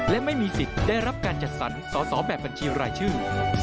และไม่มีสิทธิ์ได้รับการจัดสรรสอสอแบบบัญชีรายชื่อ